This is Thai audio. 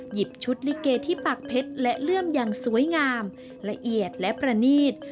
หยิบชุดลิเกที่ปากเพชรและเลื่อมอย่างสวยงามละเอียดและประนีต